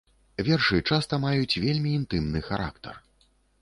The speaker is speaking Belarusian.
Вершы часта маюць вельмі інтымны характар.